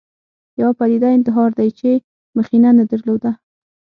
یوه پدیده انتحار دی چې مخینه نه درلوده